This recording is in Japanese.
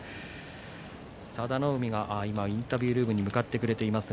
佐田の海がインタビュールームに向かっています。